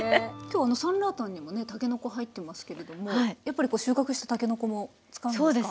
今日サンラータンにもねたけのこ入ってますけれどもやっぱり収穫したたけのこも使うんですか？